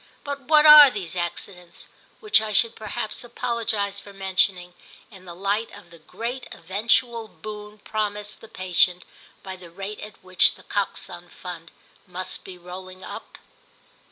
But what are these accidents, which I should perhaps apologise for mentioning, in the light of the great eventual boon promised the patient by the rate at which The Coxon Fund must be rolling up?